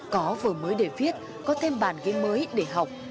có vờ mới để viết có thêm bàn game mới để học